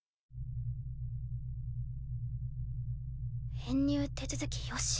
編入手続きよし。